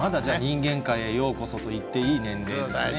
人間界にようこそと言っていい年齢ですね。